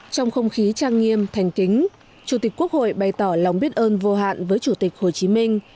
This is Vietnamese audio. trong không khí trang nghiêm thành kính chủ tịch quốc hội bày tỏ lòng biết ơn vô hạn với chủ tịch hồ chí minh